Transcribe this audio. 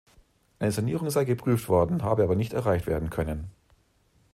Eine Sanierung sei geprüft worden, habe aber nicht erreicht werden können.